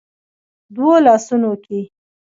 دوو لاسونو کې